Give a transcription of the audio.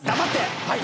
はい。